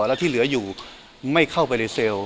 แล้วที่เหลืออยู่ไม่เข้าไปในเซลล์